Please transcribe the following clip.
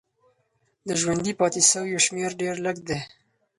د ژوندي پاتې سویو شمېر ډېر لږ دی.